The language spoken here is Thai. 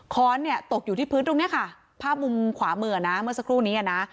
ค้อนเนี่ยตกอยู่ที่พื้นตรงเนี้ยค่ะภาพมุมขวามือนะเมื่อสักครู่นี้นะ